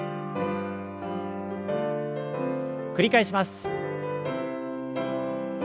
繰り返します。